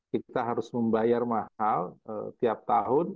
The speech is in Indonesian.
kita harus membayar mahal tiap tahun